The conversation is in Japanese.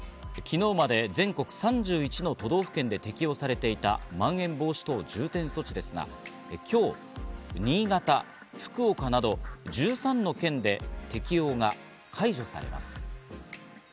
昨日まで全国３１の都道府県で適用されたまん延防止等重点措置ですが、今日、新潟、福岡など１３の県で適用が解除されます。